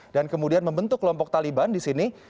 dan kemudian membentuk kelompok taliban di sini